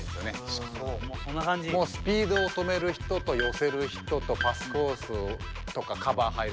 スピードを止める人と寄せる人とパスコースとかカバー入る。